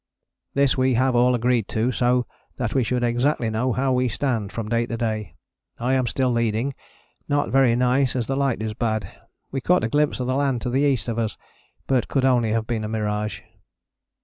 This we have all agreed to so that we should exactly know how we stand, from day to day. I am still leading, not very nice as the light is bad. We caught a glimpse of the land to the east of us, but could only have been a mirage.